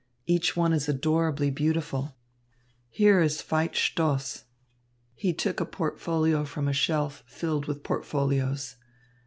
Each one is adorably beautiful. Here is Veit Stoss." He took a portfolio from a shelf filled with portfolios.